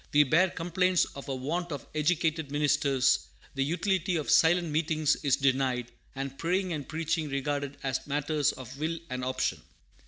We bear complaints of a want of educated ministers; the utility of silent meetings is denied, and praying and preaching regarded as matters of will and option.